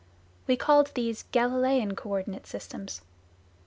We called these " Galileian co ordinate systems."